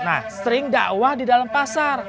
nah sering dakwah di dalam pasar